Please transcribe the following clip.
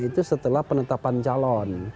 itu setelah penetapan calon